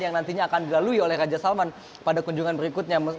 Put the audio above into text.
yang nantinya akan dilalui oleh raja salman pada kunjungan berikutnya